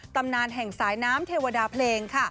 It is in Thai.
ตำนานแห่งสายน้ำเทวดาเพลงค่ะ